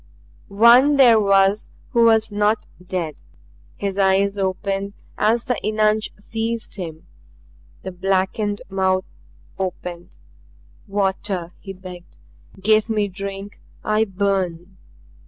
One there was who was not dead. His eyes opened as the eunuch seized him, the blackened mouth opened. "Water!" he begged. "Give me drink. I burn!"